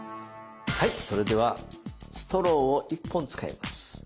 はいそれではストローを１本使います。